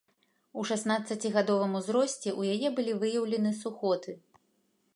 У шаснаццацігадовым узросце ў яе былі выяўлены сухоты.